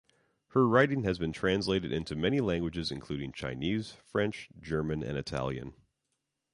Her writing has been translated into many languages including Chinese, French, German, and Italian.